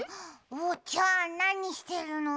おうちゃんなにしてるの？